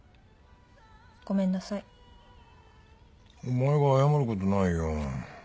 お前が謝ることないよ。